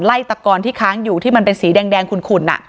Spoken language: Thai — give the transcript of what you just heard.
ตะกอนที่ค้างอยู่ที่มันเป็นสีแดงขุ่น